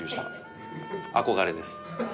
憧れです。